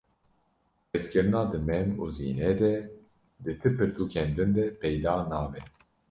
Hezkirina di Mem û Zînê de di ti pirtûkên din de peyda nabe.